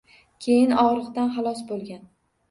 Keyin og‘riqdan xalos bo‘lgan